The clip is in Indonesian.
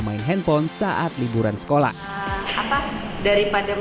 main handphone yang terjadinya cuma diem